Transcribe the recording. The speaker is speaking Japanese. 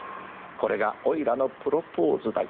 これがおいらのプロポーズだい。